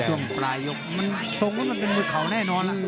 ช่วงปลายยกมันทรงแล้วมันเป็นมือเขาแน่นอนล่ะ